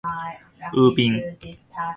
ウーピン